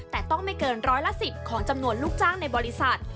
แต่ต้องไม่เกินร้อยละ๑๐ของจำนวนลูกจ้างในบริษัท